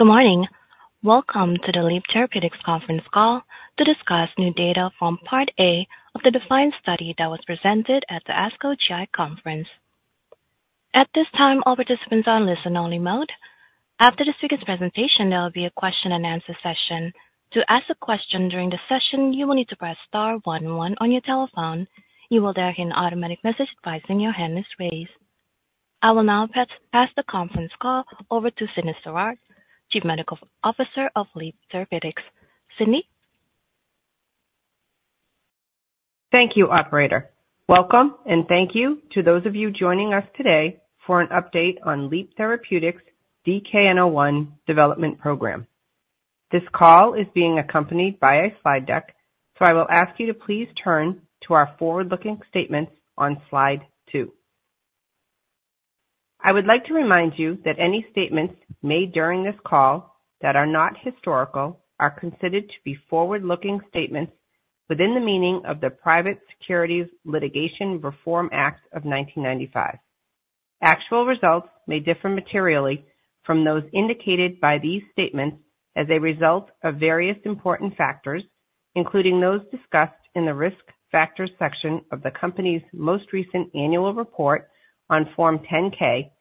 Good morning. Welcome to the Leap Therapeutics conference call to discuss new data from Part A of the DeFianCe study that was presented at the ASCO GI conference. At this time, all participants are on listen-only mode. After the speaker's presentation, there will be a question-and-answer session. To ask a question during the session, you will need to press star one one on your telephone. You will then hear an automatic message advising your hand is raised. I will now pass the conference call over to Cyndi Sirard, Chief Medical Officer of Leap Therapeutics. Cindy? Thank you, operator. Welcome, and thank you to those of you joining us today for an update on Leap Therapeutics' DKN-01 development program. This call is being accompanied by a slide deck, so I will ask you to please turn to our forward-looking statements on slide two. I would like to remind you that any statements made during this call that are not historical are considered to be forward-looking statements within the meaning of the Private Securities Litigation Reform Act of 1995. Actual results may differ materially from those indicated by these statements as a result of various important factors, including those discussed in the Risk Factors section of the company's most recent annual report on Form 10-K,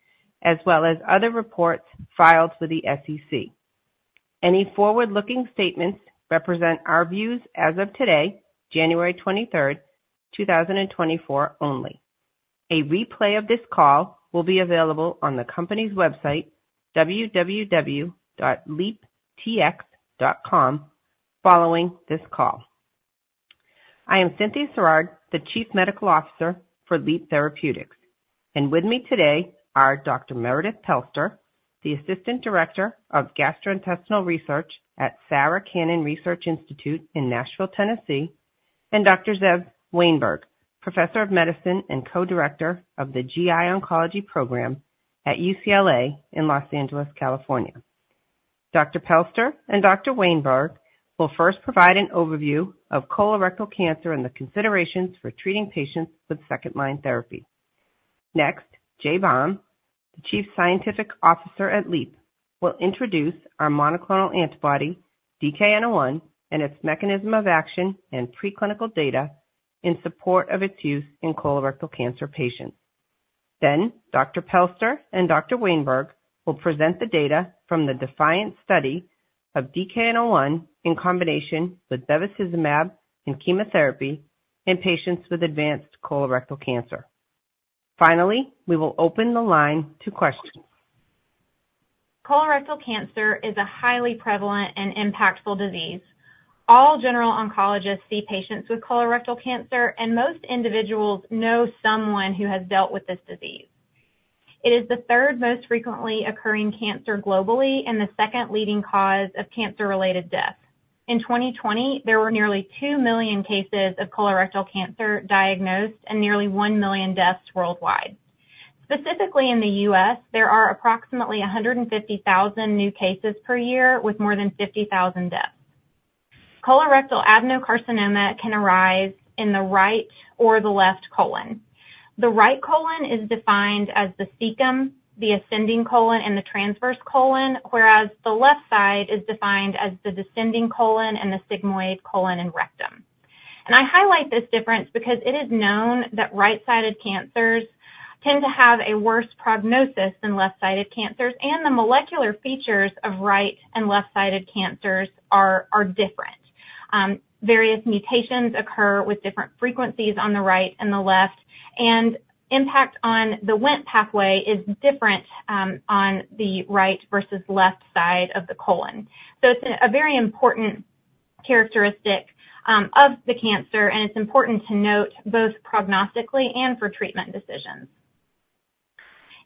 as well as other reports filed with the SEC. Any forward-looking statements represent our views as of today, January 23rd, 2024 only. A replay of this call will be available on the company's website, www.leaptx.com, following this call. I am Cynthia Sirard, the Chief Medical Officer for Leap Therapeutics, and with me today are Dr. Meredith Pelster, the Associate Director, GI Cancer Research Program at Sarah Cannon Research Institute in Nashville, Tennessee, and Dr. Zev Wainberg, Professor of Medicine and Co-Director of the GI Oncology Program at UCLA in Los Angeles, California. Dr. Pelster and Dr. Wainberg will first provide an overview of colorectal cancer and the considerations for treating patients with second-line therapy. Next, Jason Baum, the Chief Scientific Officer at Leap, will introduce our monoclonal antibody, DKN-01, and its mechanism of action and preclinical data in support of its use in colorectal cancer patients. Then Dr. Pelster and Dr. Wainberg will present the data from the DeFianCe study of DKN-01 in combination with bevacizumab and chemotherapy in patients with advanced colorectal cancer. Finally, we will open the line to questions. Colorectal cancer is a highly prevalent and impactful disease. All general oncologists see patients with colorectal cancer, and most individuals know someone who has dealt with this disease. It is the third most frequently occurring cancer globally and the second leading cause of cancer-related deaths. In 2020, there were nearly 2 million cases of colorectal cancer diagnosed and nearly 1 million deaths worldwide. Specifically in the U.S., there are approximately 150,000 new cases per year, with more than 50,000 deaths. Colorectal adenocarcinoma can arise in the right or the left colon. The right colon is defined as the cecum, the ascending colon, and the transverse colon, whereas the left side is defined as the descending colon and the sigmoid colon and rectum. I highlight this difference because it is known that right-sided cancers tend to have a worse prognosis than left-sided cancers, and the molecular features of right and left-sided cancers are different. Various mutations occur with different frequencies on the right and the left, and impact on the WNT pathway is different on the right versus left side of the colon. So it's a very important characteristic of the cancer, and it's important to note both prognostically and for treatment decisions.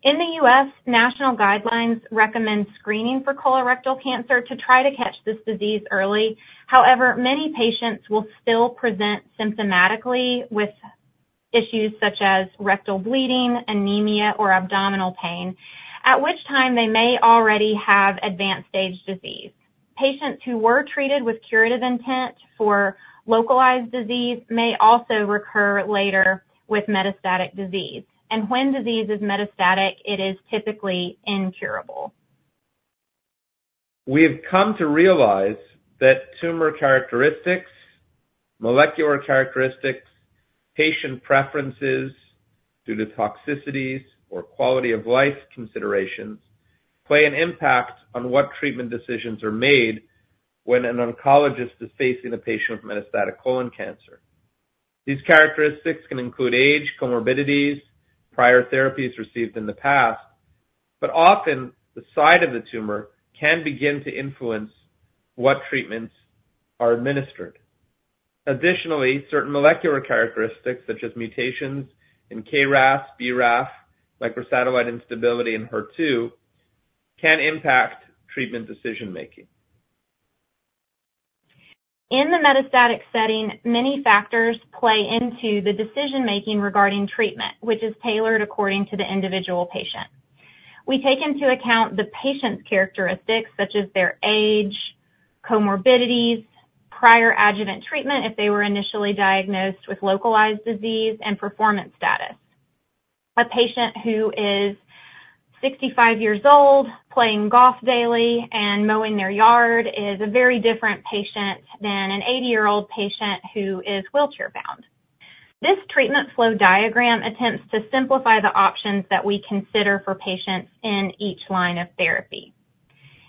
In the U.S., national guidelines recommend screening for colorectal cancer to try to catch this disease early. However, many patients will still present symptomatically with issues such as rectal bleeding, anemia, or abdominal pain, at which time they may already have advanced stage disease. Patients who were treated with curative intent for localized disease may also recur later with metastatic disease, and when disease is metastatic, it is typically incurable. We have come to realize that tumor characteristics, molecular characteristics, patient preferences due to toxicities or quality-of-life considerations, play an impact on what treatment decisions are made when an oncologist is facing a patient with metastatic colon cancer. These characteristics can include age, comorbidities, prior therapies received in the past, but often the site of the tumor can begin to influence what treatments are administered. Additionally, certain molecular characteristics, such as mutations in KRAS, BRAF, microsatellite instability, and HER2, can impact treatment decision-making. In the metastatic setting, many factors play into the decision-making regarding treatment, which is tailored according to the individual patient. We take into account the patient's characteristics, such as their age, comorbidities, prior adjuvant treatment, if they were initially diagnosed with localized disease, and performance status. A patient who is 65 years old, playing golf daily, and mowing their yard is a very different patient than an 80-year-old patient who is wheelchair-bound. This treatment flow diagram attempts to simplify the options that we consider for patients in each line of therapy.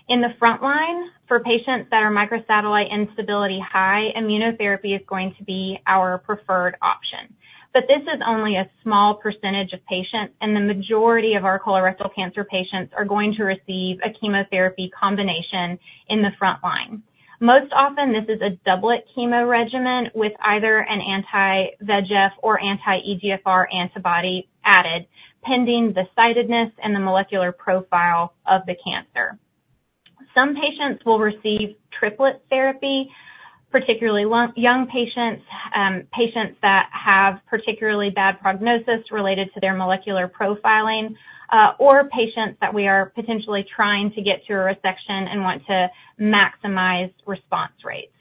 In the front line, for patients that are microsatellite instability-high, immunotherapy is going to be our preferred option. But this is only a small percentage of patients, and the majority of our colorectal cancer patients are going to receive a chemotherapy combination in the front line. Most often, this is a doublet chemo regimen with either an anti-VEGF or anti-EGFR antibody added, pending the sidedness and the molecular profile of the cancer. Some patients will receive triplet therapy, particularly young patients, patients that have particularly bad prognosis related to their molecular profiling, or patients that we are potentially trying to get to a resection and want to maximize response rates.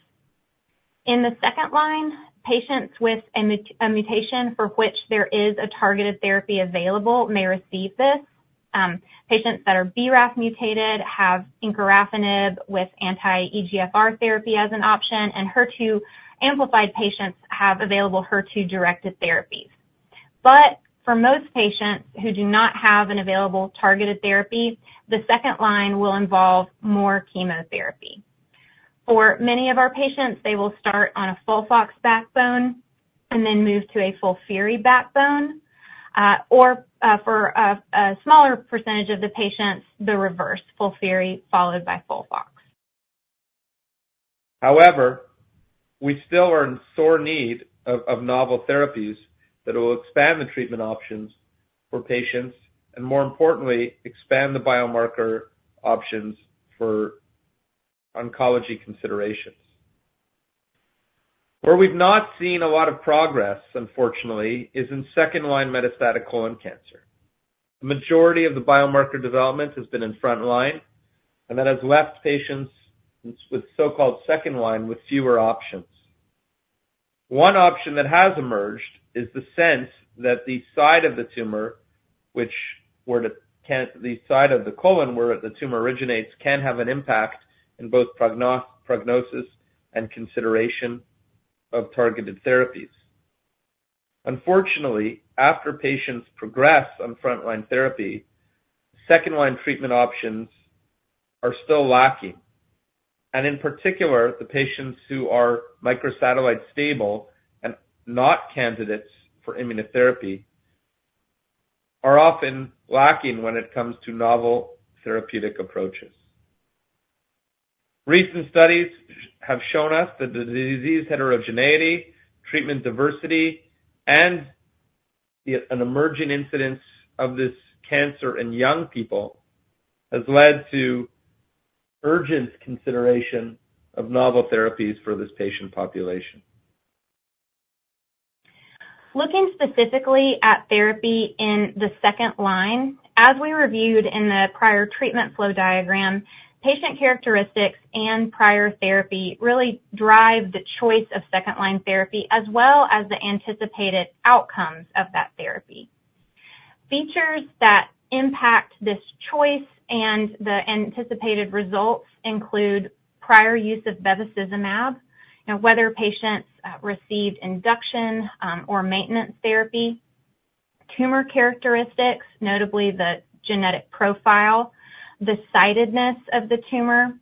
In the second line, patients with a mutation for which there is a targeted therapy available may receive this. Patients that are BRAF mutated have encorafenib with anti-EGFR therapy as an option, and HER2-amplified patients have available HER2-directed therapies. But for most patients who do not have an available targeted therapy, the second line will involve more chemotherapy. For many of our patients, they will start on a FOLFOX backbone and then move to a FOLFIRI backbone, or for a smaller percentage of the patients, the reverse, FOLFIRI followed by FOLFOX. However, we still are in sore need of novel therapies that will expand the treatment options for patients, and more importantly, expand the biomarker options for oncology considerations. Where we've not seen a lot of progress, unfortunately, is in second-line metastatic colon cancer. The majority of the biomarker development has been in front line, and that has left patients with so-called second line with fewer options. One option that has emerged is the sense that the side of the tumor, the side of the colon where the tumor originates, can have an impact in both prognosis and consideration of targeted therapies. Unfortunately, after patients progress on frontline therapy, second line treatment options are still lacking. In particular, the patients who are microsatellite stable and not candidates for immunotherapy are often lacking when it comes to novel therapeutic approaches. Recent studies have shown us that the disease heterogeneity, treatment diversity, and an emerging incidence of this cancer in young people, has led to urgent consideration of novel therapies for this patient population. Looking specifically at therapy in the second-line, as we reviewed in the prior treatment flow diagram, patient characteristics and prior therapy really drive the choice of second-line therapy, as well as the anticipated outcomes of that therapy. Features that impact this choice and the anticipated results include prior use of bevacizumab, and whether patients received induction or maintenance therapy, tumor characteristics, notably the genetic profile, the sidedness of the tumor,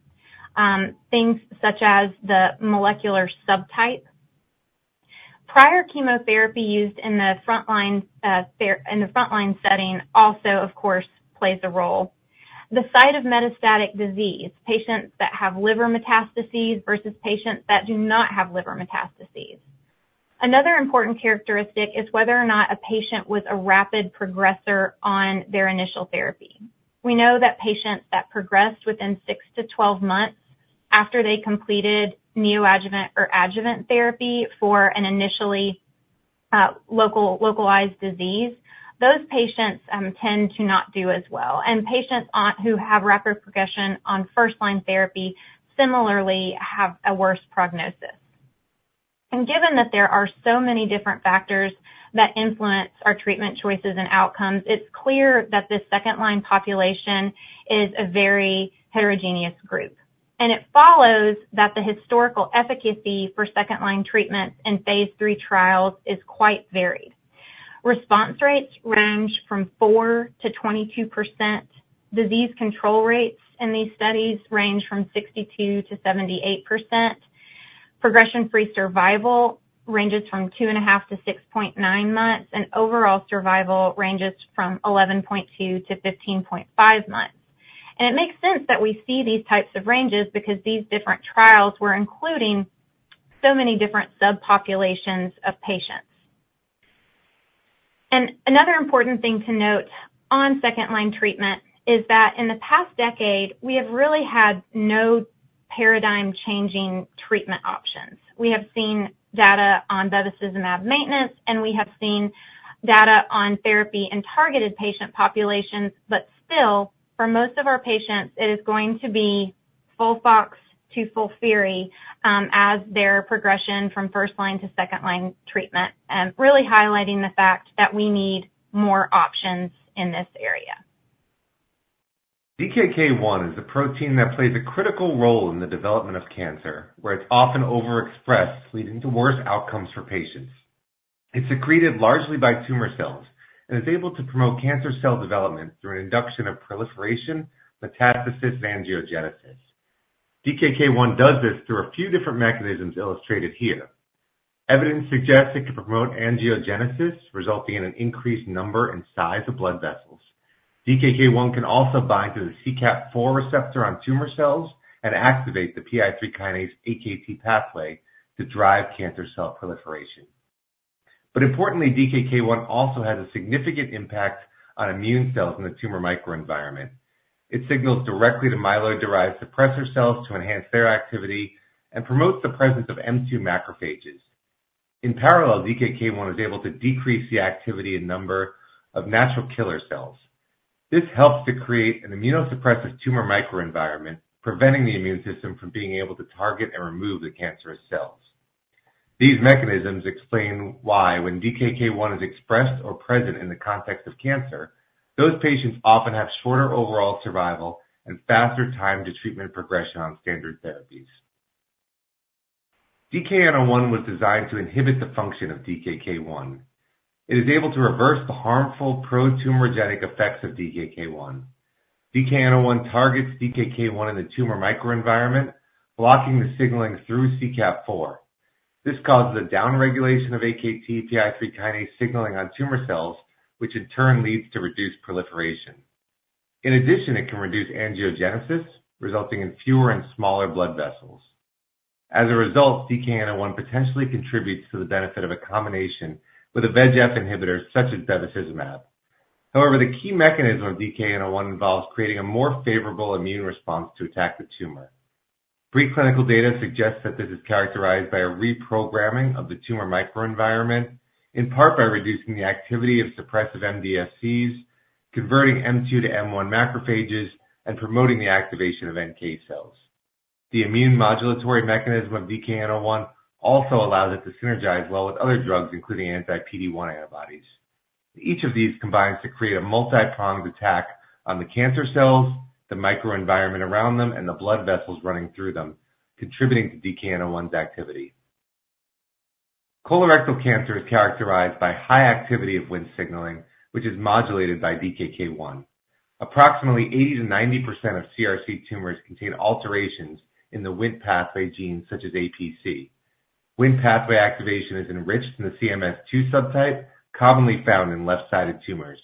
things such as the molecular subtype. Prior chemotherapy used in the front line in the front-line setting also, of course, plays a role. The site of metastatic disease, patients that have liver metastases versus patients that do not have liver metastases. Another important characteristic is whether or not a patient was a rapid progressor on their initial therapy. We know that patients that progressed within six-12 months after they completed neoadjuvant or adjuvant therapy for an initially localized disease, those patients tend to not do as well, and patients who have rapid progression on first-line therapy similarly have a worse prognosis. Given that there are so many different factors that influence our treatment choices and outcomes, it's clear that this second-line population is a very heterogeneous group. It follows that the historical efficacy for second-line treatments in phase lll trials is quite varied. Response rates range from 4%-22%. Disease control rates in these studies range from 62%-78%. Progression-free survival ranges from 2.5-6.9 months, and overall survival ranges from 11.2-15.5 months. It makes sense that we see these types of ranges because these different trials were including so many different subpopulations of patients. Another important thing to note on second-line treatment is that in the past decade, we have really had no paradigm-changing treatment options. We have seen data on bevacizumab maintenance, and we have seen data on therapy in targeted patient populations, but still, for most of our patients, it is going to be FOLFOX to FOLFIRI as their progression from first-line to second-line treatment, and really highlighting the fact that we need more options in this area. DKK 1 is a protein that plays a critical role in the development of cancer, where it's often overexpressed, leading to worse outcomes for patients. It's secreted largely by tumor cells and is able to promote cancer cell development through an induction of proliferation, metastasis, and angiogenesis. DKK 1 does this through a few different mechanisms illustrated here. Evidence suggests it can promote angiogenesis, resulting in an increased number and size of blood vessels. DKK 1 can also bind to the CKAP4 receptor on tumor cells and activate the PI3 kinase AKT pathway to drive cancer cell proliferation. But importantly, DKK 1 also has a significant impact on immune cells in the tumor microenvironment. It signals directly to myeloid-derived suppressor cells to enhance their activity and promotes the presence of M2 macrophages. In parallel, DKK 1 is able to decrease the activity and number of natural killer cells. This helps to create an immunosuppressive tumor microenvironment, preventing the immune system from being able to target and remove the cancerous cells. These mechanisms explain why when DKK 1 is expressed or present in the context of cancer, those patients often have shorter overall survival and faster time to treatment progression on standard therapies. DKN-01 was designed to inhibit the function of DKK 1. It is able to reverse the harmful pro-tumorigenic effects of DKK 1. DKN-01 targets DKK 1 in the tumor microenvironment, blocking the signaling through CKAP4. This causes a downregulation of AKT/PI3K signaling on tumor cells, which in turn leads to reduced proliferation. In addition, it can reduce angiogenesis, resulting in fewer and smaller blood vessels. As a result, DKN-01 potentially contributes to the benefit of a combination with a VEGF inhibitor, such as bevacizumab. However, the key mechanism of DKN-01 involves creating a more favorable immune response to attack the tumor. Preclinical data suggests that this is characterized by a reprogramming of the tumor microenvironment, in part by reducing the activity of suppressive MDSCs, converting M2 to M1 macrophages, and promoting the activation of NK cells. The immune modulatory mechanism of DKN-01 also allows it to synergize well with other drugs, including anti-PD-1 antibodies. Each of these combines to create a multipronged attack on the cancer cells, the microenvironment around them, and the blood vessels running through them, contributing to DKN-01's activity. Colorectal cancer is characterized by high activity of WNT signaling, which is modulated by DKK 1. Approximately 80%-90% of CRC tumors contain alterations in the WNT pathway genes such as APC. WNT pathway activation is enriched in the CMS2 subtype, commonly found in left-sided tumors.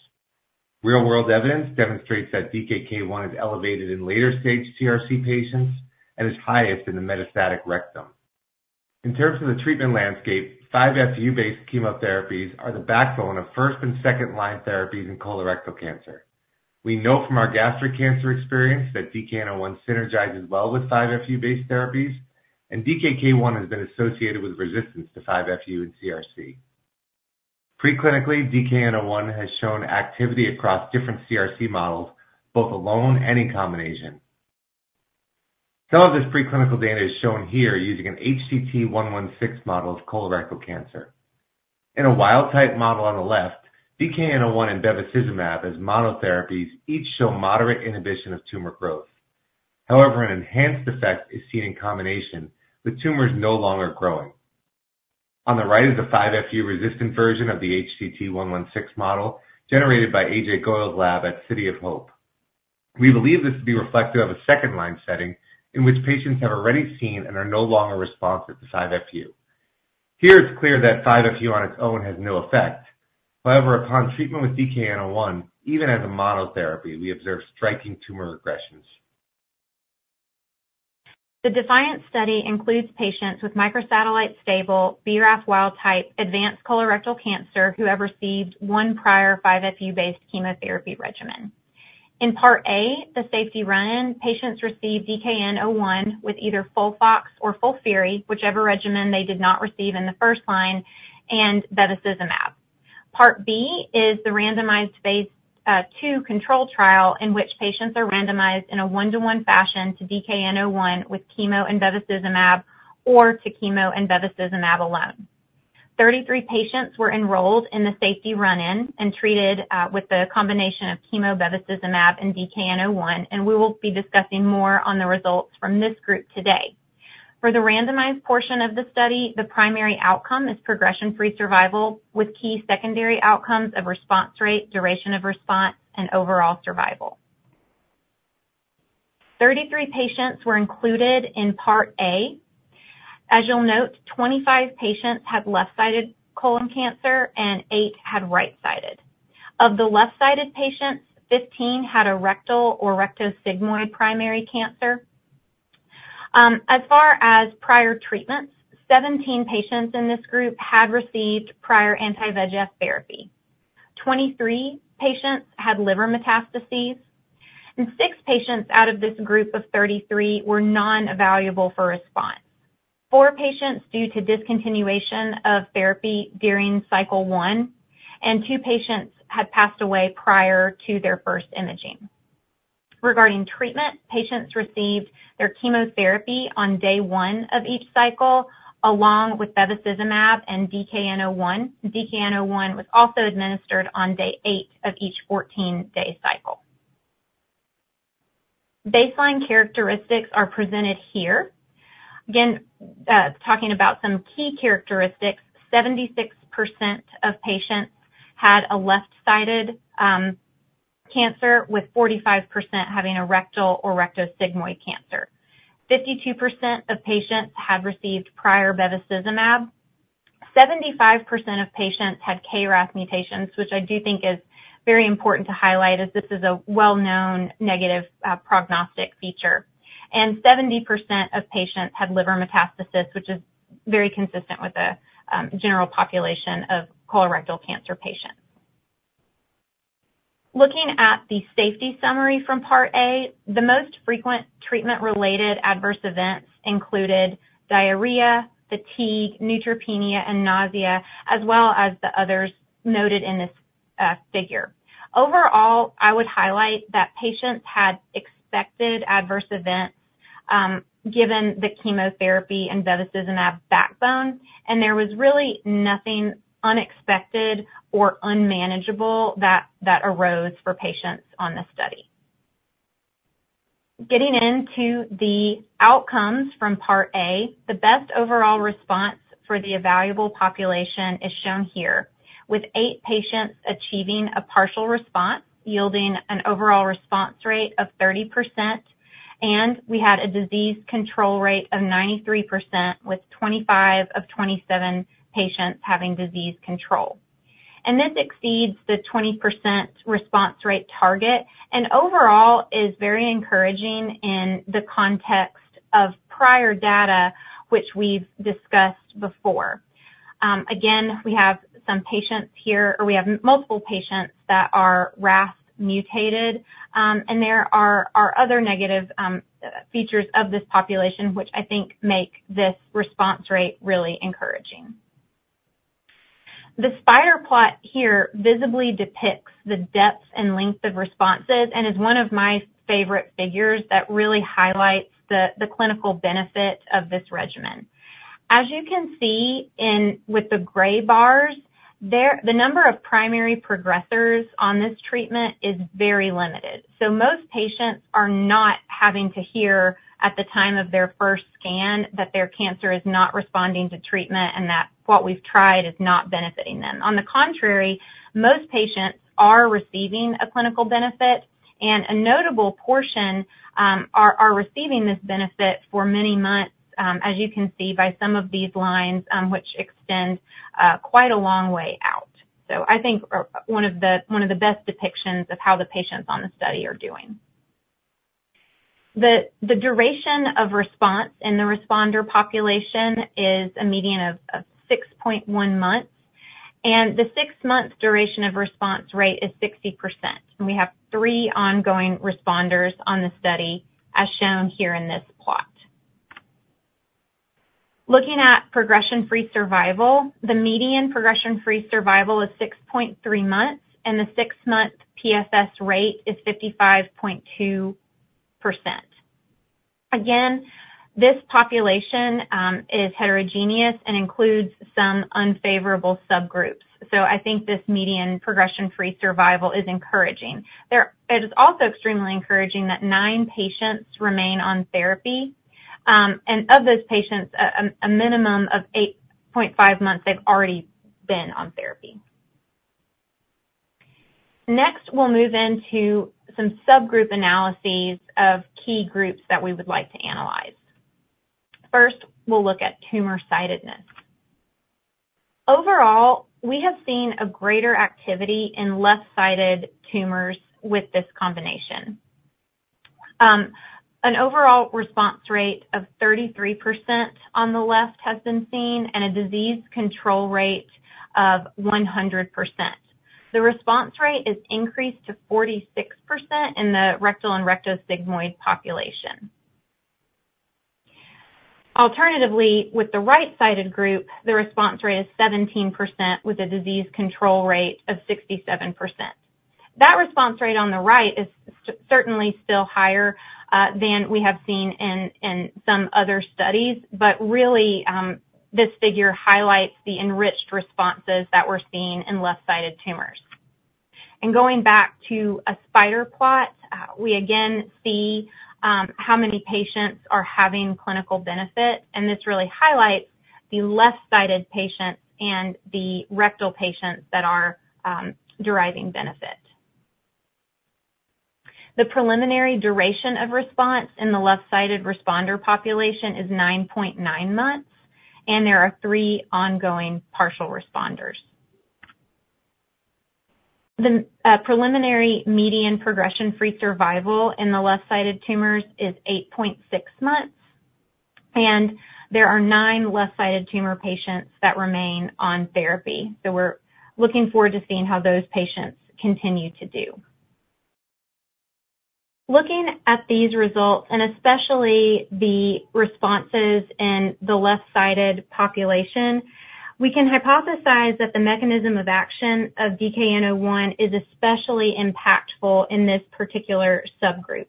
Real-world evidence demonstrates that DKK 1 is elevated in later-stage CRC patients and is highest in the metastatic rectum. In terms of the treatment landscape, 5-FU-based chemotherapies are the backbone of first and second-line therapies in colorectal cancer. We know from our gastric cancer experience that DKN-01 synergizes well with 5-FU-based therapies, and DKK 1 has been associated with resistance to 5-FU and CRC. Preclinically, DKN-01 has shown activity across different CRC models, both alone and in combination. Some of this preclinical data is shown here using an HCT116 model of colorectal cancer. In a wild-type model on the left, DKN-01 and bevacizumab as monotherapies each show moderate inhibition of tumor growth. However, an enhanced effect is seen in combination, with tumors no longer growing. On the right is the 5-FU-resistant version of the HCT116 model, generated by Ajay Goel lab at City of Hope. We believe this to be reflective of a second-line setting in which patients have already seen and are no longer responsive to 5-FU. Here it's clear that 5-FU on its own has no effect. However, upon treatment with DKN-01, even as a monotherapy, we observe striking tumor regressions. The DeFianCe study includes patients with microsatellite stable, BRAF wild-type, advanced colorectal cancer who have received one prior 5-FU-based chemotherapy regimen. In part A, the safety run-in, patients received DKN-01 with either FOLFOX or FOLFIRI, whichever regimen they did not receive in the first line, and bevacizumab. Part B is the randomized phase ll controlled trial in which patients are randomized in a one-to-one fashion to DKN-01 with chemo and bevacizumab or to chemo and bevacizumab alone. 33 patients were enrolled in the safety run-in and treated with the combination of chemo, bevacizumab, and DKN-01, and we will be discussing more on the results from this group today. For the randomized portion of the study, the primary outcome is progression-free survival, with key secondary outcomes of response rate, duration of response, and overall survival. 33 patients were included in part A. As you'll note, 25 patients had left-sided colon cancer and eight had right-sided. Of the left-sided patients, 15 had a rectal or rectosigmoid primary cancer. As far as prior treatments, 17 patients in this group had received prior anti-VEGF therapy, 23 patients had liver metastases, and six patients out of this group of 33 were non-evaluable for response. Four patients due to discontinuation of therapy during cycle one, and two patients had passed away prior to their first imaging. Regarding treatment, patients received their chemotherapy on day one of each cycle, along with bevacizumab and DKN-01. DKN-01 was also administered on day eight of each 14-day cycle. Baseline characteristics are presented here. Again, talking about some key characteristics, 76% of patients had a left-sided cancer, with 45% having a rectal or rectosigmoid cancer. 52% of patients had received prior bevacizumab. 75% of patients had KRAS mutations, which I do think is very important to highlight, as this is a well-known negative prognostic feature. 70% of patients had liver metastasis, which is very consistent with the general population of colorectal cancer patients. Looking at the safety summary from part A, the most frequent treatment-related adverse events included diarrhea, fatigue, neutropenia, and nausea, as well as the others noted in this figure. Overall, I would highlight that patients had expected adverse events given the chemotherapy and bevacizumab backbone, and there was really nothing unexpected or unmanageable that arose for patients on this study. Getting into the outcomes from part A, the best overall response for the evaluable population is shown here, with 8 patients achieving a partial response, yielding an overall response rate of 30%. We had a disease control rate of 93%, with 25 of 27 patients having disease control. This exceeds the 20% response rate target, and overall is very encouraging in the context of prior data, which we've discussed before. Again, we have some patients here, or we have multiple patients that are RAS mutated, and there are other negative features of this population, which I think make this response rate really encouraging. The spider plot here visibly depicts the depth and length of responses and is one of my favorite figures that really highlights the clinical benefit of this regimen. As you can see with the gray bars, the number of primary progressors on this treatment is very limited. So most patients are not having to hear at the time of their first scan that their cancer is not responding to treatment and that what we've tried is not benefiting them. On the contrary, most patients are receiving a clinical benefit, and a notable portion are receiving this benefit for many months, as you can see by some of these lines, which extend quite a long way out. So I think are one of the best depictions of how the patients on the study are doing. The duration of response in the responder population is a median of 6.1 months, and the six-month duration of response rate is 60%, and we have three ongoing responders on the study, as shown here in this plot. Looking at progression-free survival, the median progression-free survival is 6.3 months, and the six-month PFS rate is 55.2%. Again, this population is heterogeneous and includes some unfavorable subgroups, so I think this median progression-free survival is encouraging. It is also extremely encouraging that nine patients remain on therapy, and of those patients, a minimum of 8.5 months, they've already been on therapy. Next, we'll move into some subgroup analyses of key groups that we would like to analyze. First, we'll look at tumor sidedness. Overall, we have seen a greater activity in left-sided tumors with this combination. An overall response rate of 33% on the left has been seen, and a disease control rate of 100%. The response rate is increased to 46% in the rectal and rectosigmoid population. Alternatively, with the right-sided group, the response rate is 17%, with a disease control rate of 67%. That response rate on the right is certainly still higher than we have seen in some other studies, but really, this figure highlights the enriched responses that we're seeing in left-sided tumors. And going back to a spider plot, we again see how many patients are having clinical benefit, and this really highlights the left-sided patients and the rectal patients that are deriving benefit. The preliminary duration of response in the left-sided responder population is 9.9 months, and there are three ongoing partial responders. The preliminary median progression-free survival in the left-sided tumors is 8.6 months, and there are nine left-sided tumor patients that remain on therapy. So we're looking forward to seeing how those patients continue to do. Looking at these results, and especially the responses in the left-sided population, we can hypothesize that the mechanism of action of DKN-01 is especially impactful in this particular subgroup.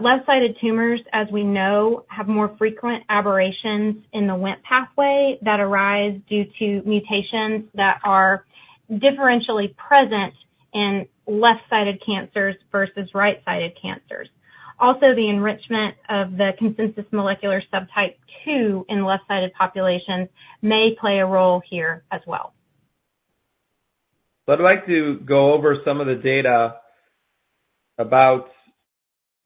Left-sided tumors, as we know, have more frequent aberrations in the WNT pathway that arise due to mutations that are differentially present in left-sided cancers versus right-sided cancers. Also, the enrichment of the Consensus Molecular Subtype 2 in left-sided populations may play a role here as well. I'd like to go over some of the data about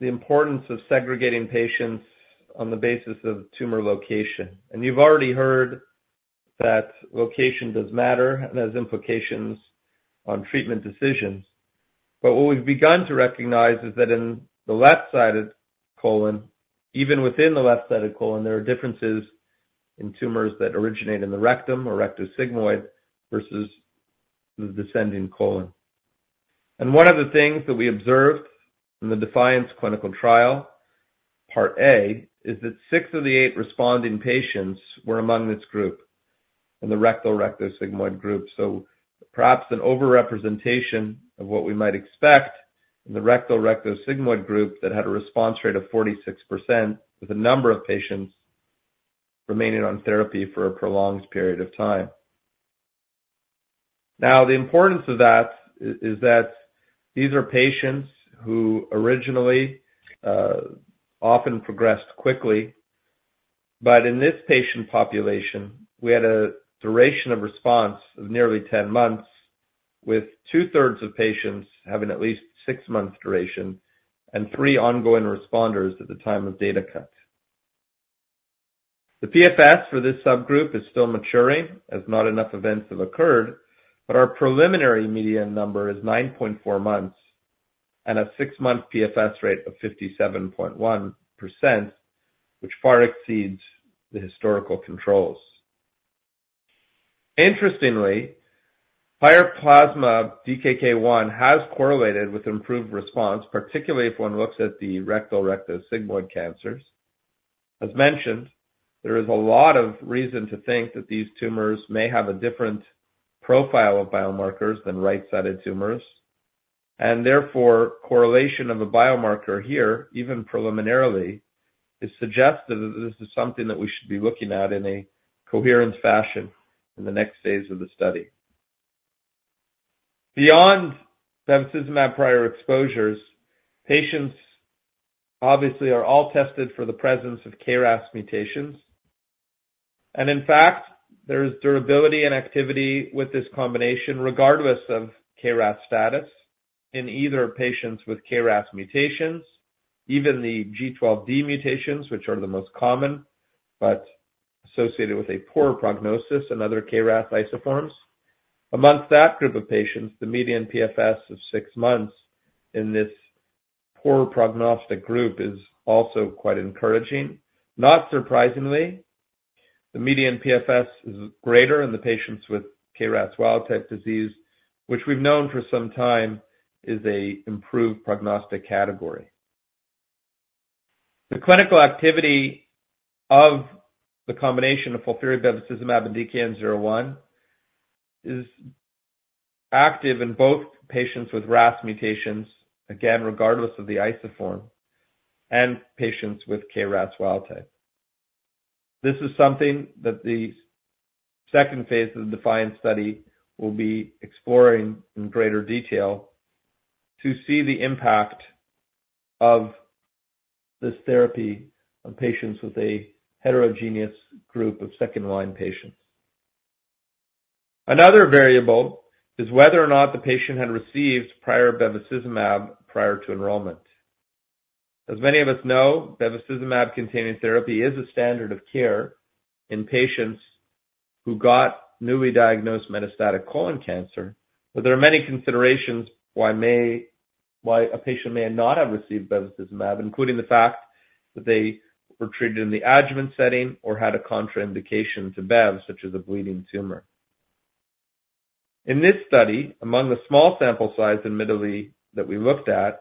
the importance of segregating patients on the basis of tumor location. You've already heard that location does matter and has implications on treatment decisions. But what we've begun to recognize is that in the left-sided colon, even within the left-sided colon, there are differences in tumors that originate in the rectum or rectosigmoid versus the descending colon. One of the things that we observed in the DeFianCe clinical trial, part A, is that six of the eight responding patients were among this group, in the rectosigmoid group. Perhaps an overrepresentation of what we might expect in the rectosigmoid group that had a response rate of 46%, with a number of patients remaining on therapy for a prolonged period of time. Now, the importance of that is, is that these are patients who originally often progressed quickly. But in this patient population, we had a duration of response of nearly 10 months, with two-thirds of patients having at least six months duration and three ongoing responders at the time of data cut. The PFS for this subgroup is still maturing, as not enough events have occurred, but our preliminary median number is 9.4 months and a six-month PFS rate of 57.1%, which far exceeds the historical controls. Interestingly, higher plasma DKK 1 has correlated with improved response, particularly if one looks at the rectosigmoid cancers. As mentioned, there is a lot of reason to think that these tumors may have a different profile of biomarkers than right-sided tumors, and therefore, correlation of a biomarker here, even preliminarily, is suggestive that this is something that we should be looking at in a coherent fashion in the next phase of the study. Beyond bevacizumab prior exposures, patients obviously are all tested for the presence of KRAS mutations. In fact, there is durability and activity with this combination, regardless of KRAS status, in either patients with KRAS mutations, even the G12D mutations, which are the most common but associated with a poorer prognosis and other KRAS isoforms. Amongst that group of patients, the median PFS of six months in this poor prognostic group is also quite encouraging. Not surprisingly, the median PFS is greater in the patients with KRAS wild-type disease, which we've known for some time is an improved prognostic category. The clinical activity of the combination of FOLFIRI, bevacizumab, and DKN-01 is active in both patients with RAS mutations, again, regardless of the isoform, and patients with KRAS wild-type. This is something that the second phase of the DeFianCe study will be exploring in greater detail to see the impact of this therapy on patients with a heterogeneous group of second-line patients. Another variable is whether or not the patient had received prior bevacizumab prior to enrollment. As many of us know, bevacizumab-containing therapy is a standard of care in patients who got newly diagnosed metastatic colon cancer. But there are many considerations why a patient may not have received bevacizumab, including the fact that they were treated in the adjuvant setting or had a contraindication to bev, such as a bleeding tumor. In this study, among the small sample size in middle E that we looked at,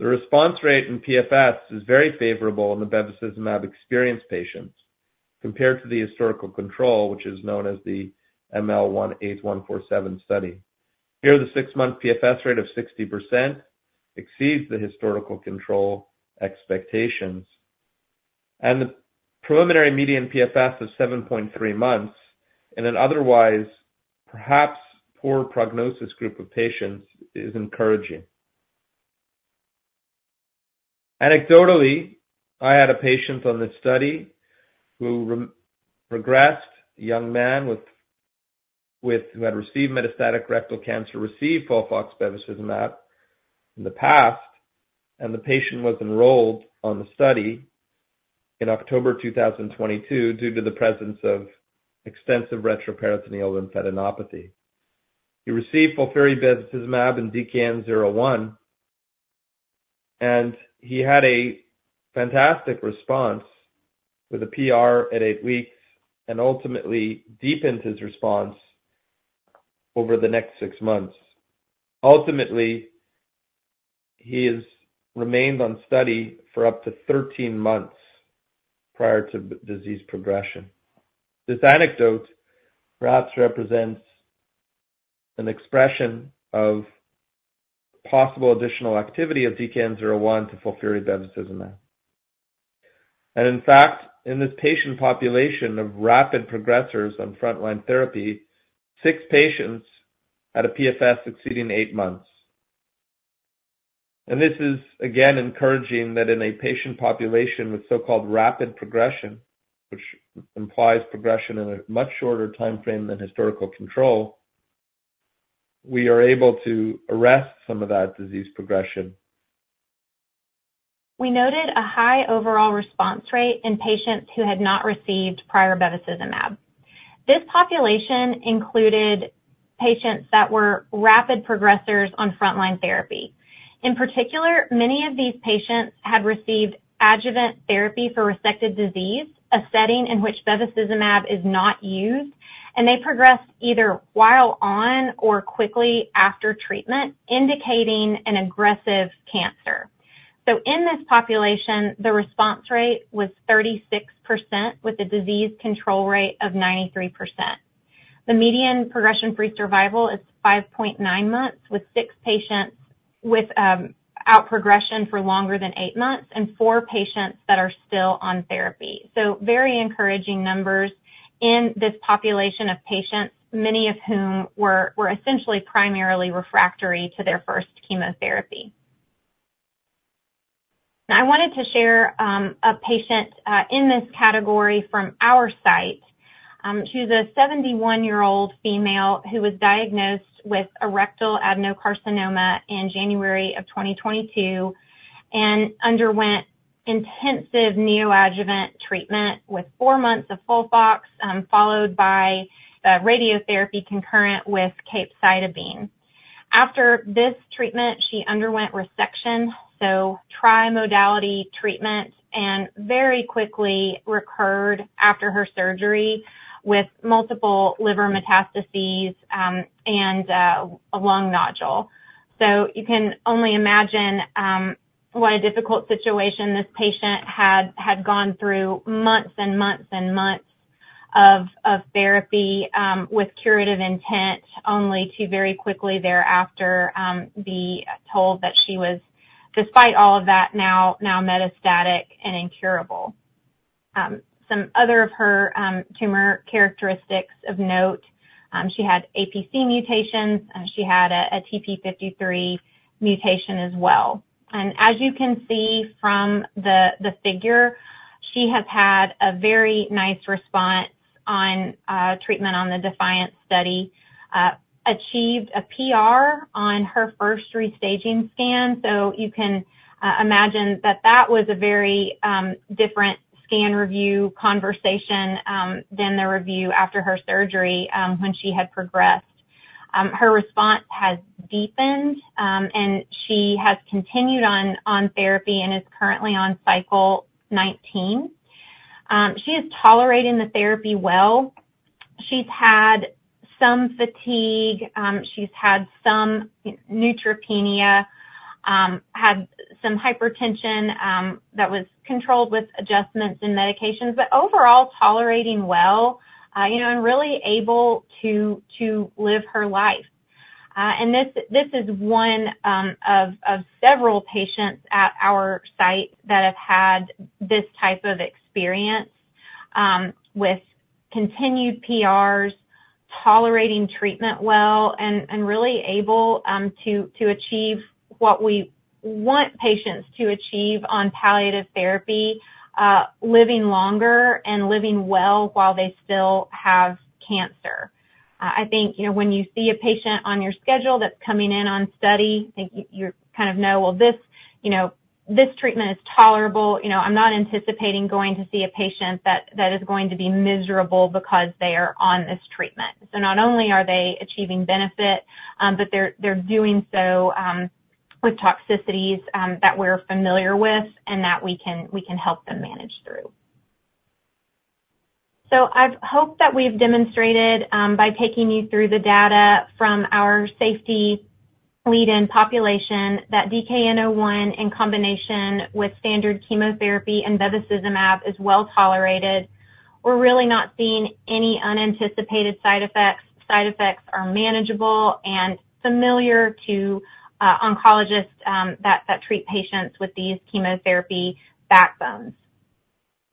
the response rate in PFS is very favorable in the bevacizumab-experienced patients compared to the historical control, which is known as the ML18147 study. Here, the six-month PFS rate of 60% exceeds the historical control expectations, and the preliminary median PFS of 7.3 months in an otherwise perhaps poor prognosis group of patients is encouraging. Anecdotally, I had a patient on this study who progressed, a young man with who had metastatic rectal cancer, received FOLFOX bevacizumab in the past, and the patient was enrolled on the study in October 2022, due to the presence of extensive retroperitoneal lymphadenopathy. He received FOLFIRI bevacizumab and DKN-01, and he had a fantastic response with a PR at eight weeks and ultimately deepened his response over the next six months. Ultimately, he has remained on study for up to 13 months prior to disease progression. This anecdote perhaps represents an expression of possible additional activity of DKN-01 to FOLFIRI bevacizumab. And in fact, in this patient population of rapid progressors on frontline therapy, six patients had a PFS exceeding eight months. This is, again, encouraging that in a patient population with so-called rapid progression, which implies progression in a much shorter timeframe than historical control, we are able to arrest some of that disease progression. We noted a high overall response rate in patients who had not received prior bevacizumab. This population included patients that were rapid progressors on frontline therapy. In particular, many of these patients had received adjuvant therapy for resected disease, a setting in which bevacizumab is not used, and they progressed either while on or quickly after treatment, indicating an aggressive cancer. So in this population, the response rate was 36%, with a disease control rate of 93%. The median progression-free survival is 5.9 months, with six patients without progression for longer than eight months and four patients that are still on therapy. So very encouraging numbers in this population of patients, many of whom were essentially primarily refractory to their first chemotherapy. Now, I wanted to share a patient in this category from our site. She's a 71-year-old female who was diagnosed with rectal adenocarcinoma in January 2022 and underwent intensive neoadjuvant treatment with four months of FOLFOX, followed by radiotherapy concurrent with capecitabine. After this treatment, she underwent resection, so trimodality treatment, and very quickly recurred after her surgery with multiple liver metastases, and a lung nodule. So you can only imagine what a difficult situation this patient had, had gone through months and months and months of, of therapy with curative intent, only to very quickly thereafter be told that she was, despite all of that, now, now metastatic and incurable. Some other of her tumor characteristics of note, she had APC mutations, and she had a, a TP53 mutation as well. As you can see from the figure, she has had a very nice response on treatment on the DeFianCe study, achieved a PR on her first restaging scan. So you can imagine that that was a very different scan review conversation than the review after her surgery when she had progressed. Her response has deepened, and she has continued on therapy and is currently on cycle 19. She is tolerating the therapy well. She's had some fatigue, she's had some neutropenia, had some hypertension that was controlled with adjustments in medications, but overall tolerating well, you know, and really able to live her life. This is one of several patients at our site that have had this type of experience with continued PRs, tolerating treatment well, and really able to achieve what we want patients to achieve on palliative therapy, living longer and living well while they still have cancer. I think, you know, when you see a patient on your schedule that's coming in on study, I think you kind of know, well, you know, this treatment is tolerable. You know, I'm not anticipating going to see a patient that is going to be miserable because they are on this treatment. So not only are they achieving benefit, but they're doing so with toxicities that we're familiar with and that we can help them manage through. So I've hoped that we've demonstrated, by taking you through the data from our safety lead-in population, that DKN-01, in combination with standard chemotherapy and bevacizumab, is well tolerated. We're really not seeing any unanticipated side effects. Side effects are manageable and familiar to oncologists that treat patients with these chemotherapy backbones.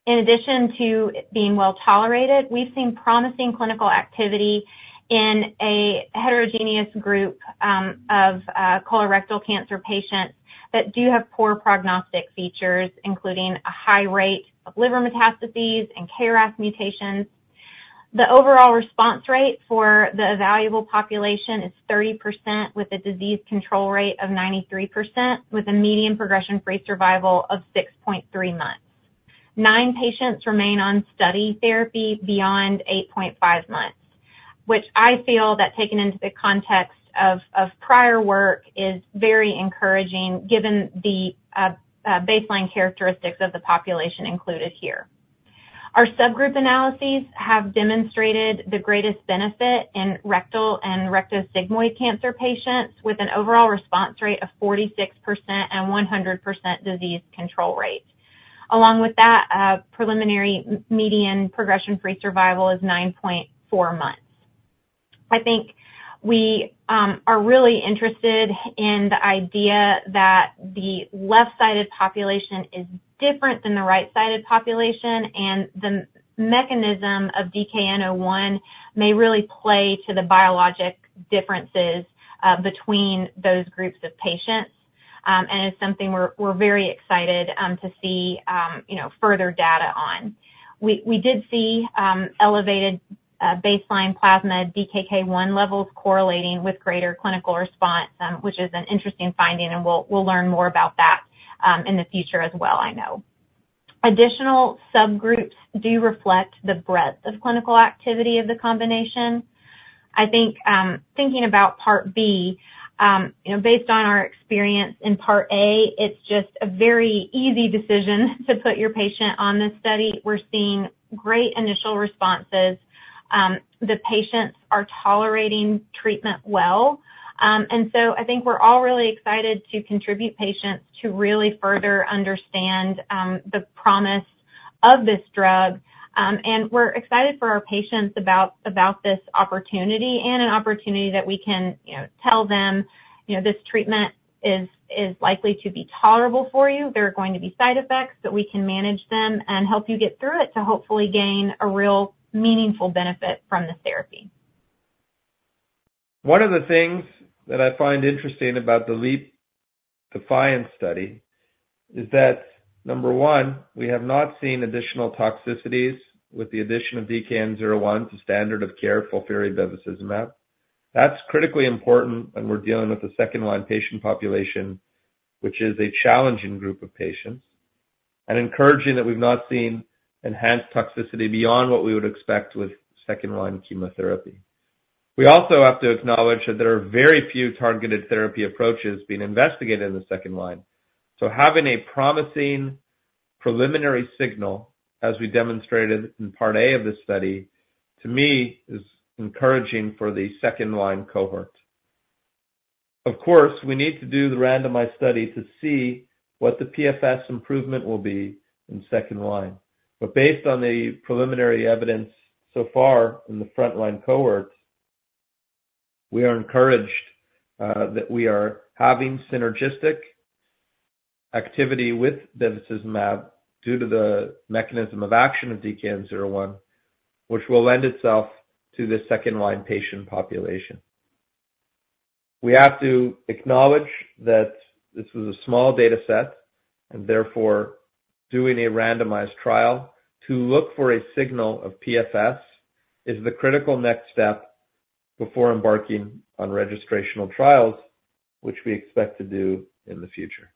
In addition to it being well tolerated, we've seen promising clinical activity in a heterogeneous group of colorectal cancer patients that do have poor prognostic features, including a high rate of liver metastases and KRAS mutations. The overall response rate for the evaluable population is 30%, with a disease control rate of 93%, with a median progression-free survival of 6.3 months. Nine patients remain on study therapy beyond 8.5 months, which I feel that, taken into the context of prior work, is very encouraging, given the baseline characteristics of the population included here. Our subgroup analyses have demonstrated the greatest benefit in rectal and rectosigmoid cancer patients, with an overall response rate of 46% and 100% disease control rate. Along with that, preliminary median progression-free survival is 9.4 months. I think we are really interested in the idea that the left-sided population is different than the right-sided population, and the mechanism of DKN-01 may really play to the biologic differences between those groups of patients. And it's something we're very excited to see, you know, further data on. We did see elevated baseline plasma DKK-1 levels correlating with greater clinical response, which is an interesting finding, and we'll learn more about that in the future as well, I know. Additional subgroups do reflect the breadth of clinical activity of the combination. I think, thinking about Part B, you know, based on our experience in Part A, it's just a very easy decision to put your patient on this study. We're seeing great initial responses. The patients are tolerating treatment well. And so I think we're all really excited to contribute patients to really further understand the promise of this drug. And we're excited for our patients about this opportunity, and an opportunity that we can, you know, tell them, "You know, this treatment is likely to be tolerable for you. There are going to be side effects, but we can manage them and help you get through it to hopefully gain a real meaningful benefit from this therapy". One of the things that I find interesting about the Leap DeFianCe study is that, number one, we have not seen additional toxicities with the addition of DKN-01 to standard of care FOLFIRI bevacizumab. That's critically important when we're dealing with a second-line patient population, which is a challenging group of patients, and encouraging that we've not seen enhanced toxicity beyond what we would expect with second-line chemotherapy. We also have to acknowledge that there are very few targeted therapy approaches being investigated in the second line, so having a promising preliminary signal, as we demonstrated in Part A of this study, to me, is encouraging for the second-line cohort. Of course, we need to do the randomized study to see what the PFS improvement will be in second line, but based on the preliminary evidence so far in the frontline cohorts, we are encouraged that we are having synergistic activity with bevacizumab due to the mechanism of action of DKN-01, which will lend itself to the second-line patient population. We have to acknowledge that this is a small data set, and therefore, doing a randomized trial to look for a signal of PFS is the critical next step before embarking on registrational trials, which we expect to do in the future.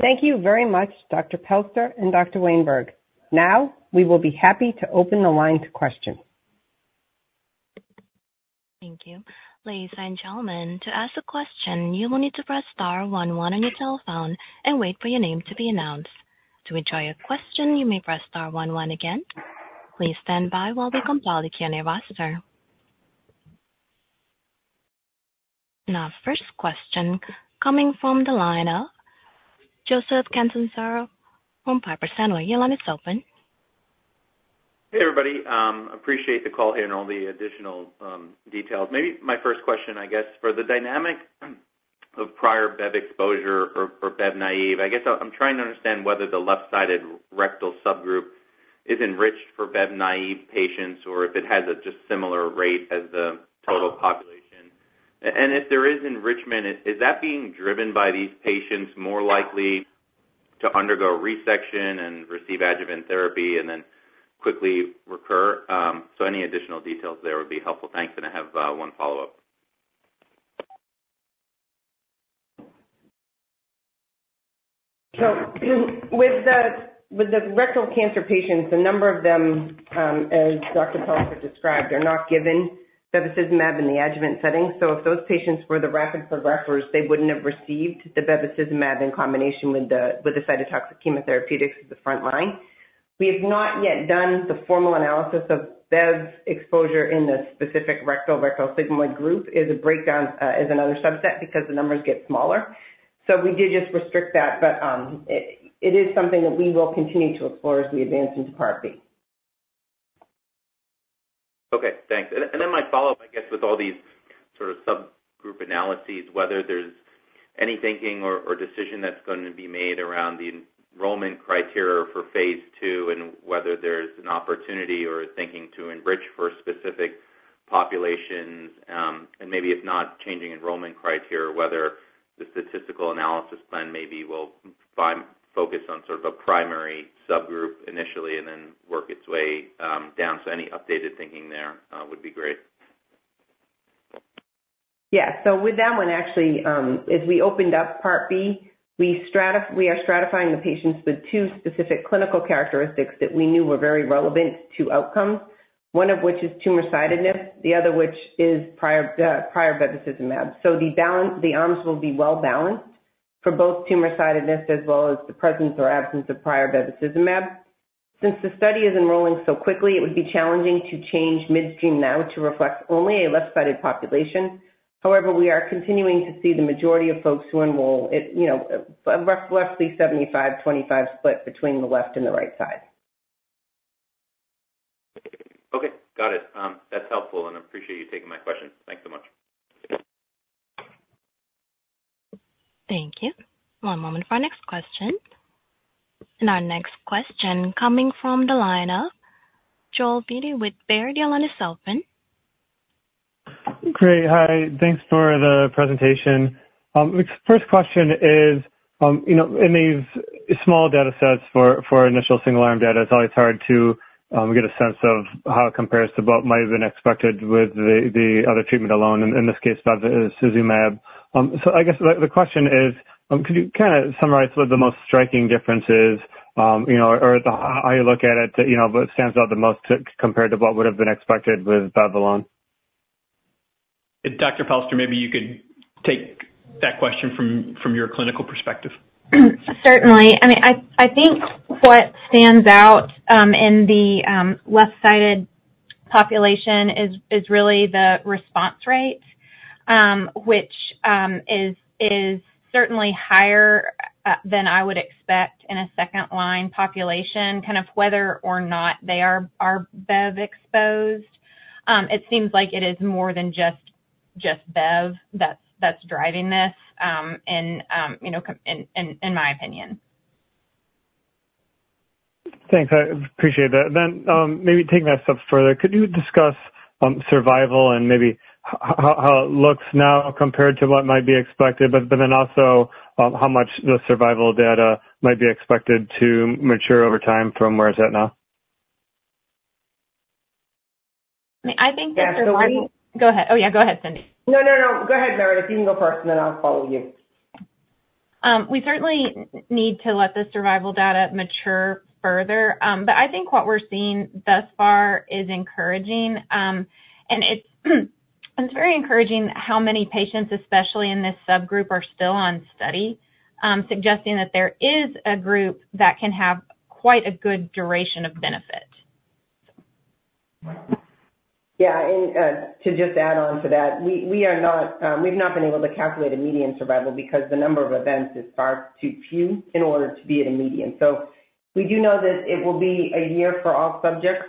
Thank you very much, Dr. Pelster and Dr. Wainberg. Now, we will be happy to open the line to questions. Thank you. Ladies and gentlemen, to ask a question, you will need to press star one one on your telephone and wait for your name to be announced. To withdraw your question, you may press star one one again. Please stand by while we compile the Q&A roster. Now, first question coming from the line of Joseph Catanzaro from Piper Sandler. Your line is open. Hey, everybody, appreciate the call here and all the additional details. Maybe my first question, I guess, for the dynamics of prior bev exposure or bev naive, I guess I'm trying to understand whether the left-sided rectal subgroup is enriched for bev naive patients, or if it has a just similar rate as the total population. And if there is enrichment, is that being driven by these patients more likely to undergo resection and receive adjuvant therapy and then quickly recur? So any additional details there would be helpful. Thanks, and I have one follow-up. So, with the rectal cancer patients, a number of them, as Dr. Pelster described, are not given bevacizumab in the adjuvant setting. So if those patients were the rapid progressors, they wouldn't have received the bevacizumab in combination with the cytotoxic chemotherapeutics at the front line. We have not yet done the formal analysis of bev exposure in the specific rectosigmoid group as a breakdown, as another subset, because the numbers get smaller. So we did just restrict that, but, it is something that we will continue to explore as we advance into Part B. Okay, thanks. And then my follow-up, I guess, with all these sort of subgroup analyses, whether there's any thinking or decision that's going to be made around the enrollment criteria for phase ll, and whether there's an opportunity or thinking to enrich for specific populations. And maybe if not changing enrollment criteria, whether the statistical analysis plan maybe will find focus on sort of a primary subgroup initially and then work its way down. So any updated thinking there would be great. Yeah. So with that one, actually, as we opened up Part B, we are stratifying the patients with two specific clinical characteristics that we knew were very relevant to outcomes, one of which is tumor sidedness, the other which is prior bevacizumab. So the balance, the arms will be well balanced for both tumor sidedness as well as the presence or absence of prior bevacizumab. Since the study is enrolling so quickly, it would be challenging to change midstream now to reflect only a left-sided population. However, we are continuing to see the majority of folks who enroll it, you know, roughly 75-25 split between the left and the right side. Okay, got it. That's helpful, and I appreciate you taking my question. Thanks so much. Thank you. One moment for our next question. Our next question coming from the line of Joel Beatty with Baird. Your line is open. Great. Hi, thanks for the presentation. The first question is, you know, in these small data sets for initial single arm data, it's always hard to get a sense of how it compares to what might have been expected with the other treatment alone, in this case, bevacizumab. So I guess the question is, could you kind of summarize what the most striking differences, you know, or how you look at it, you know, what stands out the most compared to what would have been expected with bev alone? Dr. Pelster, maybe you could take that question from your clinical perspective. Certainly. I mean, I think what stands out in the left-sided population is really the response rate, which is certainly higher than I would expect in a second-line population, kind of whether or not they are Bev exposed. It seems like it is more than just Bev that's driving this, and you know, in my opinion. Thanks. I appreciate that. Then, maybe taking that a step further, could you discuss survival and maybe how it looks now compared to what might be expected, but then also how much the survival data might be expected to mature over time from where it's at now? I think that- Yeah, so we- Go ahead. Oh, yeah, go ahead, Cyndi. No, no, no. Go ahead, Meredith. You can go first, and then I'll follow you. We certainly need to let the survival data mature further. But I think what we're seeing thus far is encouraging. And it's very encouraging how many patients, especially in this subgroup, are still on study, suggesting that there is a group that can have quite a good duration of benefit. Yeah, and to just add on to that, we are not, we've not been able to calculate a median survival because the number of events is far too few in order to be at a median. So we do know that it will be a year for all subjects,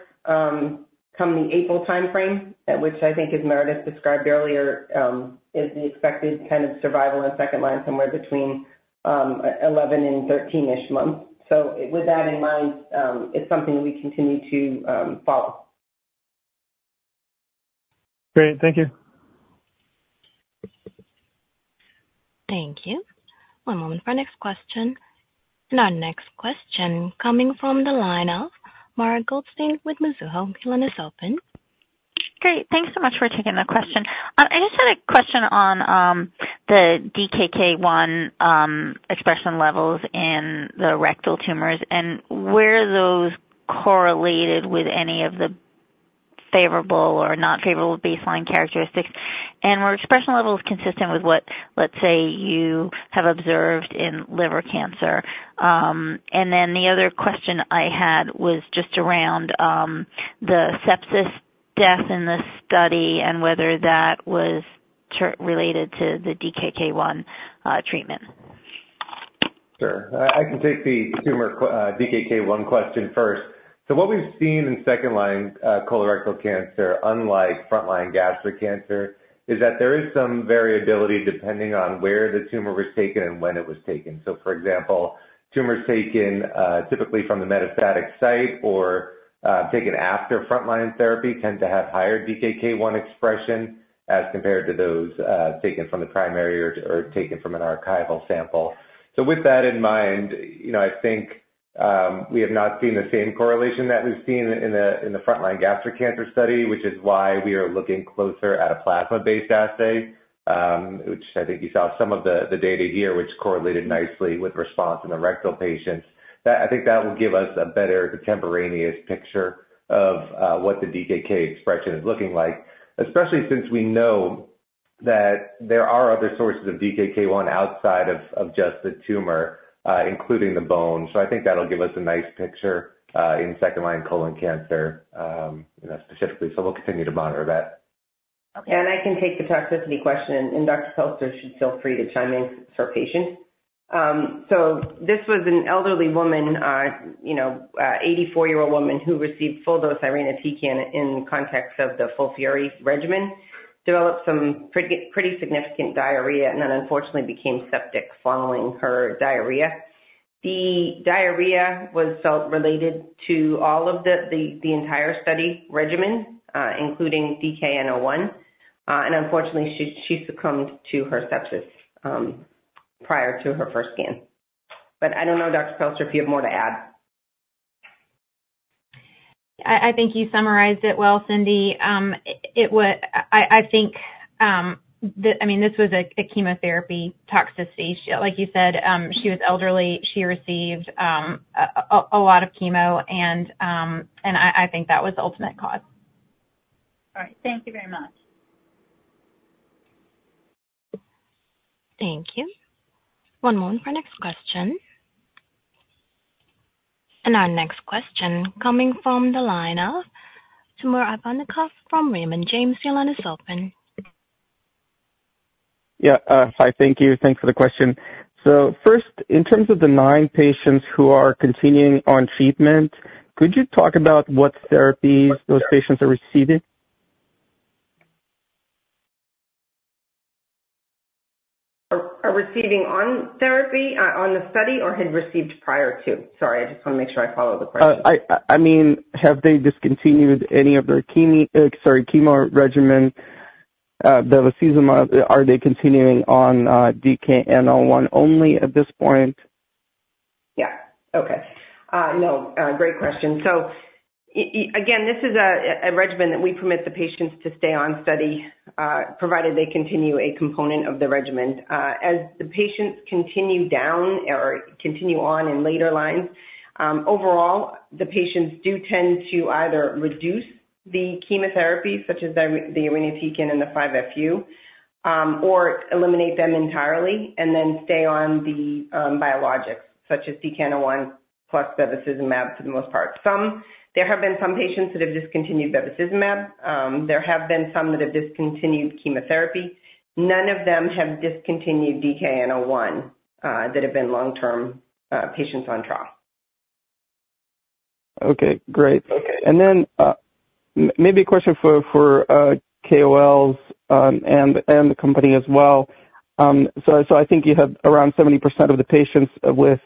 come the April timeframe, at which I think as Meredith described earlier, is the expected kind of survival in second line, somewhere between 11 and 13-ish months. So with that in mind, it's something we continue to follow. Great. Thank you. Thank you. One moment for our next question. Our next question coming from the line of Mara Goldstein with Mizuho. Your line is open. Great. Thanks so much for taking my question. I just had a question on the DKK 1 expression levels in the rectal tumors, and were those correlated with any of the favorable or not favorable baseline characteristics? And were expression levels consistent with what, let's say, you have observed in liver cancer? And then the other question I had was just around the sepsis death in the study and whether that was treatment-related to the DKN-01 treatment. Sure. I can take the tumor DKK-1 question first. So what we've seen in second line colorectal cancer, unlike frontline gastric cancer, is that there is some variability depending on where the tumor was taken and when it was taken. So for example, tumors taken typically from the metastatic site or taken after frontline therapy, tend to have higher DKK-1 expression as compared to those taken from the primary or taken from an archival sample. So with that in mind, you know, I think we have not seen the same correlation that we've seen in the frontline gastric cancer study, which is why we are looking closer at a plasma-based assay, which I think you saw some of the data here, which correlated nicely with response in the rectal patients. That I think that will give us a better contemporaneous picture of what the DKK-1 expression is looking like, especially since we know that there are other sources of DKK-1 outside of just the tumor, including the bone. So I think that'll give us a nice picture in second-line colon cancer, you know, specifically. So we'll continue to monitor that. Okay. I can take the toxicity question, and Dr. Pelster should feel free to chime in for patient. So this was an elderly woman, you know, 84-year-old woman who received full dose irinotecan in context of the FOLFIRI regimen, developed some pretty, pretty significant diarrhea and then unfortunately became septic following her diarrhea. The diarrhea was felt related to all of the entire study regimen, including DKN-01, and unfortunately, she succumbed to her sepsis prior to her first scan. But I don't know, Dr. Pelster, if you have more to add. I think you summarized it well, Cindy. I mean, this was a chemotherapy toxicity issue. Like you said, she was elderly. She received a lot of chemo and I think that was the ultimate cause. Thank you very much. Thank you. One moment for next question. And our next question coming from the line of Timur Ivannikov from Raymond James. Your line is open. Yeah, hi. Thank you. Thanks for the question. So first, in terms of the nine patients who are continuing on treatment, could you talk about what therapies those patients are receiving? Are receiving on therapy, on the study or had received prior to? Sorry, I just want to make sure I follow the question. I mean, have they discontinued any of their chemo, sorry, chemo regimen, bevacizumab? Are they continuing on, DKN-01 only at this point? Yeah. Okay. No, great question. So again, this is a regimen that we permit the patients to stay on study, provided they continue a component of the regimen. As the patients continue down or continue on in later lines, overall, the patients do tend to either reduce the chemotherapy, such as the irinotecan and the 5-FU, or eliminate them entirely and then stay on the biologics, such as DKN-01 plus bevacizumab for the most part. There have been some patients that have discontinued bevacizumab. There have been some that have discontinued chemotherapy. None of them have discontinued DKN-01, that have been long-term patients on trial. Okay, great. And then, maybe a question for KOLs and the company as well. So, I think you have around 70% of the patients with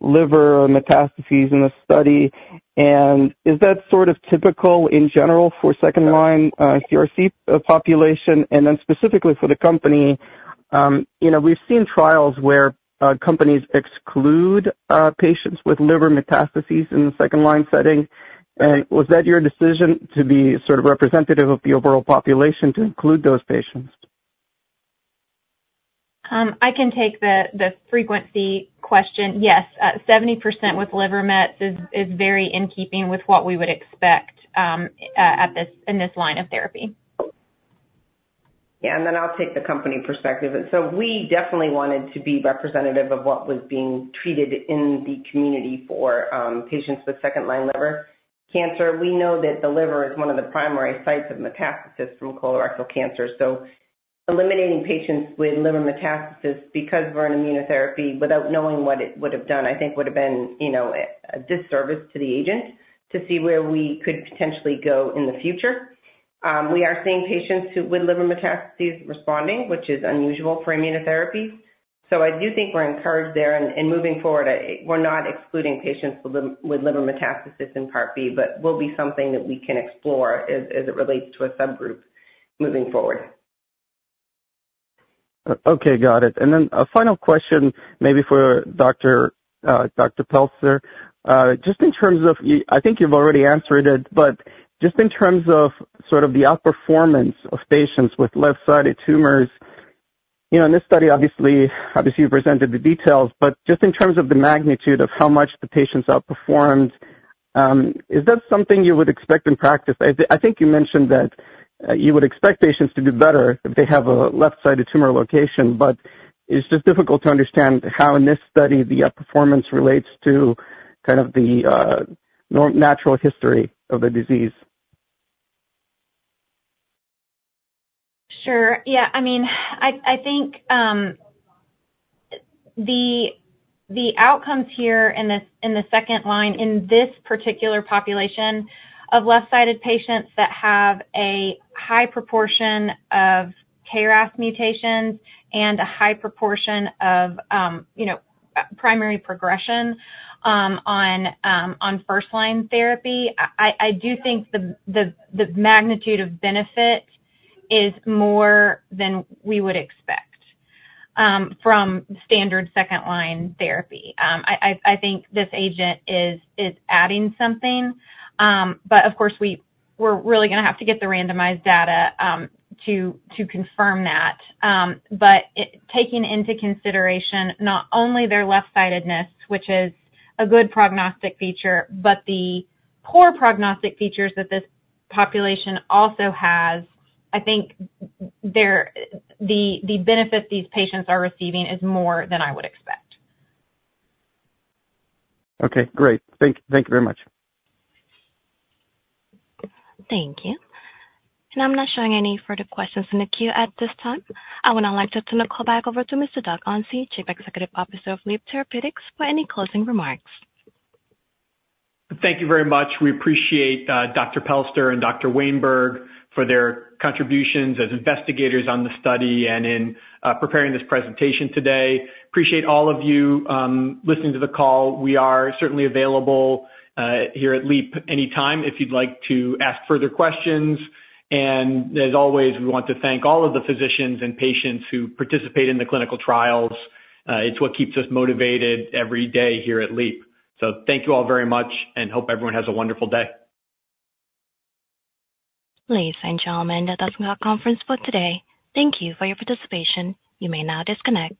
liver metastases in the study. And is that sort of typical in general for second-line CRC population? And then specifically for the company, you know, we've seen trials where companies exclude patients with liver metastases in the second-line setting. Was that your decision to be sort of representative of the overall population to include those patients? I can take the frequency question. Yes, 70% with liver mets is very in keeping with what we would expect, in this line of therapy. Yeah, and then I'll take the company perspective. So we definitely wanted to be representative of what was being treated in the community for patients with second-line liver cancer. We know that the liver is one of the primary sites of metastasis from colorectal cancer, so eliminating patients with liver metastasis because we're an immunotherapy without knowing what it would have done, I think would have been, you know, a disservice to the agent to see where we could potentially go in the future. We are seeing patients with liver metastases responding, which is unusual for immunotherapy. So I do think we're encouraged there, and moving forward, we're not excluding patients with liver metastasis in Part B, but will be something that we can explore as it relates to a subgroup moving forward. Okay, got it. And then a final question, maybe for Dr. Pelster. Just in terms of, I think you've already answered it, but just in terms of sort of the outperformance of patients with left-sided tumors, you know, in this study, obviously, obviously you presented the details, but just in terms of the magnitude of how much the patients outperformed, is that something you would expect in practice? I think you mentioned that, you would expect patients to do better if they have a left-sided tumor location, but it's just difficult to understand how in this study, the outperformance relates to kind of the, natural history of the disease. Sure. Yeah. I mean, I think the outcomes here in this second line, in this particular population of left-sided patients that have a high proportion of KRAS mutations and a high proportion of, you know, primary progression, on first-line therapy, I do think the magnitude of benefit is more than we would expect from standard second-line therapy. I think this agent is adding something, but of course we're really gonna have to get the randomized data to confirm that. But taking into consideration not only their left-sidedness, which is a good prognostic feature, but the poor prognostic features that this population also has, I think the benefit these patients are receiving is more than I would expect. Okay, great. Thank you very much. Thank you. I'm not showing any further questions in the queue at this time. I would now like to turn the call back over to Mr. Doug Onsi, Chief Executive Officer of Leap Therapeutics, for any closing remarks. Thank you very much. We appreciate, Dr. Pelster and Dr. Wainberg for their contributions as investigators on the study and in, preparing this presentation today. Appreciate all of you, listening to the call. We are certainly available, here at Leap anytime if you'd like to ask further questions. And as always, we want to thank all of the physicians and patients who participate in the clinical trials. It's what keeps us motivated every day here at Leap. So thank you all very much, and hope everyone has a wonderful day. Ladies and gentlemen, that does end our conference call today. Thank you for your participation. You may now disconnect.